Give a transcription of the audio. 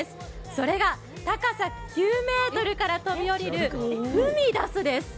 それが、高さ９ｍから飛び降りるフミダスです。